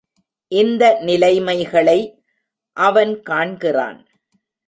இந்த நிலைமைகளை அவன் காண்கிறான்.